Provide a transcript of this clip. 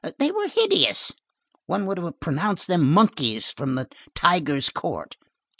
They were hideous. One would have pronounced them monkeys from the tiger's court.